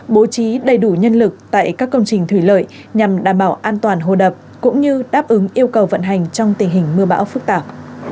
bố trí đầy đủ nhân lực tại các công trình thủy lợi nhằm đảm bảo an toàn hồ đập cũng như đáp ứng yêu cầu vận hành trong tình hình mưa bão phức tạp